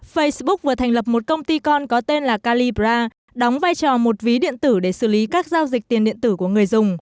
facebook vừa thành lập một công ty con có tên là calibra đóng vai trò một ví điện tử để xử lý các giao dịch tiền điện tử của người dùng